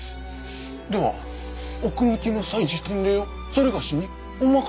では奥向きの祭事典礼を某にお任せいただけると？